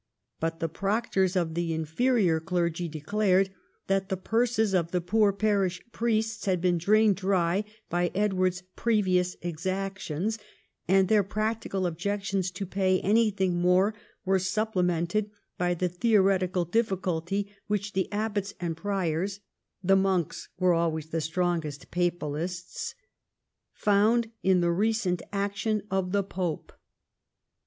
But the proctors of the inferior clergy declared that the purses of the poor parish priests had been drained dry by Edward's previous exactions, and their practical objections to pay anything more were supplemented by the theoretical difficulty which the abbots and priors (the monks were always the strongest papalists) found in the recent action of the pope.